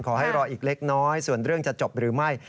ขอให้รออีกเล็กน้อยส่วนเรื่องจะจบหรือไม่